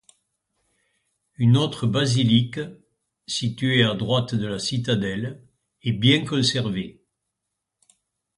Une autre basilique, située à droite de la citadelle, est bien conservée.